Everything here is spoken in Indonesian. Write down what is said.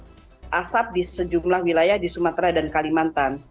ada asap di sejumlah wilayah di sumatera dan kalimantan